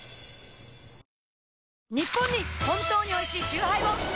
ニッポンに本当においしいチューハイを！